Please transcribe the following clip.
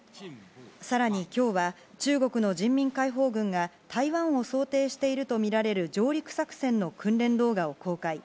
更に今日は中国の人民解放軍が台湾を想定しているとみられる上陸作戦の訓練動画を公開。